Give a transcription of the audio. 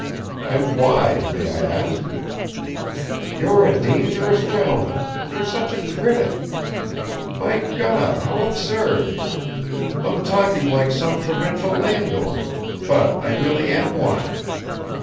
"And why, may I ask?" "You're a dangerous gentleman, you're such a critic. My God, how absurd! I'm talking like some provincial landowner but I really am one.